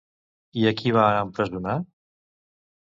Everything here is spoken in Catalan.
I a qui va empresonar?